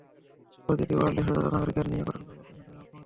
প্রতিটি ওয়ার্ডে সচেতন নাগরিকদের নিয়ে গঠন করা যেতে পারে স্বেচ্ছাসেবক কমিটি।